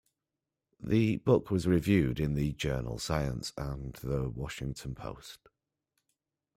The book was reviewed in the journal "Science" and the "Washington Post".